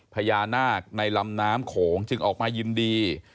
พญานาคในลำน้ำโขงจึงออกมายินดี